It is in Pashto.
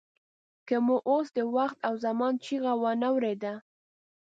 که مو اوس د وخت او زمان چیغه وانه ورېده.